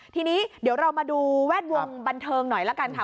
ทีนี้เดี๋ยวเรามาดูแวดวงบันเทิงหน่อยละกันค่ะ